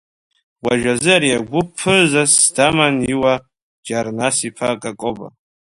Уажәазы ари агәыԥ ԥызас даман Иура Џьарнас-иԥа Какоба.